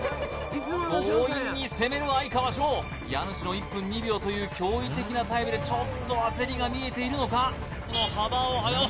強引に攻める哀川翔家主の１分２秒という驚異的なタイムでちょっと焦りが見えているのか？